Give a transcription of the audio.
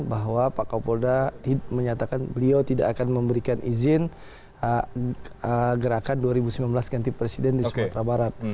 bahwa pak kapolda menyatakan beliau tidak akan memberikan izin gerakan dua ribu sembilan belas ganti presiden di sumatera barat